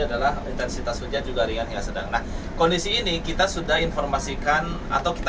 adalah intensitas hujan juga ringan ya sedang nah kondisi ini kita sudah informasikan atau kita